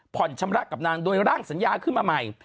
ชำระกับนางโดยร่างสัญญาขึ้นมาใหม่